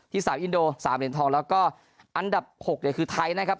ที่๓อินโด๓เหรียญทองแล้วก็อันดับ๖คือไทยนะครับ